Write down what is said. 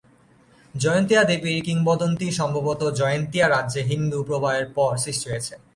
জয়ন্তীয়া দেবীর কিংবদন্তি সম্ভবত জয়ন্তীয়া রাজ্যে হিন্দু প্রভাবের পর সৃষ্টি হয়েছে।